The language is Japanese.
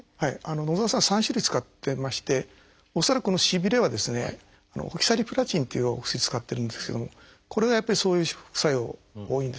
野澤さんは３種類使ってまして恐らくこのしびれはですね「オキサリプラチン」っていうお薬使ってるんですけどもこれがやっぱりそういう副作用多いんですね。